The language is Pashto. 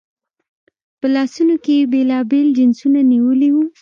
په لاسونو کې یې بېلابېل جنسونه نیولي وو.